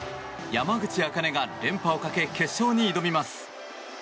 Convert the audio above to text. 山口茜が連覇をかけ決勝に挑みます。